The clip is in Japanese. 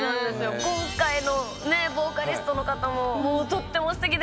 今回のボーカリストの方もとってもすてきだよね。